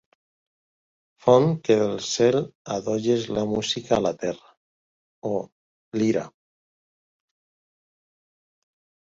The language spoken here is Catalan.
Font que del cel adolles la música a la terra, oh lira!